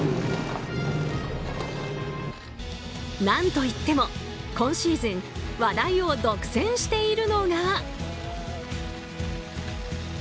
何といっても今シーズン話題を独占しているのが。